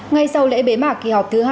ngay sau lễ bế mạc kỳ họp thứ hai